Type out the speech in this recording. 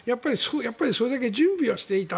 それだけ準備はしていた。